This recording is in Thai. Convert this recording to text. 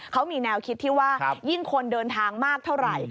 เขามีแนวคิดที่ว่ายิ่งคนเดินทางมากเท่าไหร่